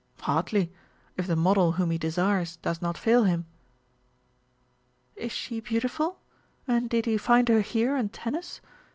"Hardly if the model whom he desires does not fail him." "Is she beautiful, and did he find her here in Tennis?"